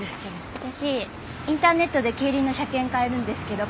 私インターネットで競輪の車券買えるんですけど買いましょう。